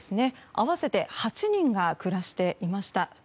合わせて８人が暮らしていました。